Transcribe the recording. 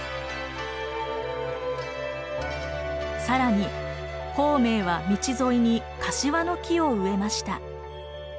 更に孔明は道沿いにカシワの木を植えました。